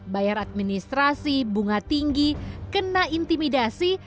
bayar administrasi bunga tinggi kena intimidasi